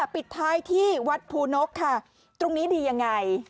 ปิดท้ายที่วัดภูนกค่ะตรงนี้ดียังไง